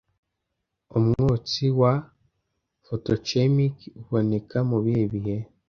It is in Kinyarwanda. Umwotsi wa Photochemiki uboneka mubihe bihe